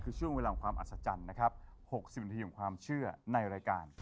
คือช่วงเวลาของความอัศจรรย์นะครับ๖๐นาทีของความเชื่อในรายการ